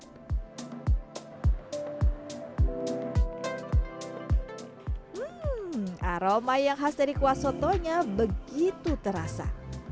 hmm aroma yang khas dari kuah sotonya begitu terasa